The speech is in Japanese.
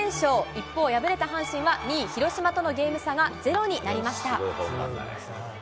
一方、敗れた阪神は２位広島とのゲーム差が０になりました。